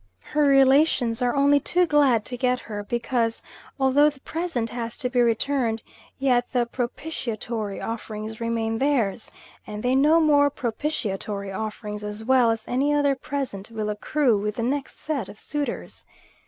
Her relations are only too glad to get her, because, although the present has to be returned, yet the propitiatory offerings remain theirs, and they know more propitiatory offerings as well as another present will accrue with the next set of suitors.